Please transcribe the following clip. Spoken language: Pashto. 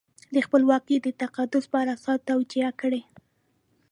د خپلواکۍ د تقدس په اساس توجیه کړي.